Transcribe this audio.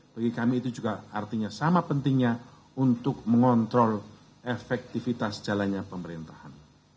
bagi kami itu juga artinya sama pentingnya untuk mengontrol efektivitas jalannya pemerintahan